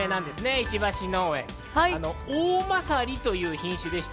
石橋農園、おおまさりという品種でして。